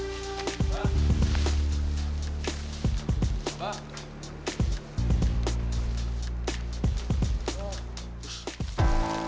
buat ayo tanah tanah coy